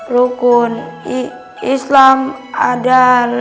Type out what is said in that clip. rukun islam ada lima